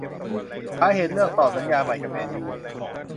สาเหตุเลือกต่อสัญญาใหม่กับ แมนยู